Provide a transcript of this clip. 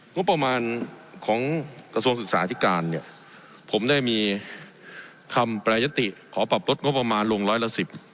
งบประมาณของกระทรวงศึกษาธิการเนี่ยผมได้มีคำแปรยติขอปรับลดงบประมาณลงร้อยละสิบ